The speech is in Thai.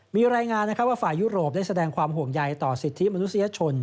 มีรายงานว่าฝ่ายยุโรปได้แสดงความห่วงใยต่อสิทธิมนุษยชน